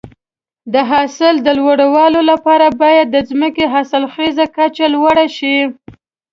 د حاصل د لوړوالي لپاره باید د ځمکې حاصلخیزي کچه لوړه شي.